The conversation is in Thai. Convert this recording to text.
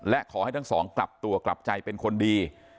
และขอให้ทั้งสองกลับตัวกลับใจเป็นคนดี